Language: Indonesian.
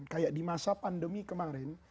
kayak di masa pandemi kemarin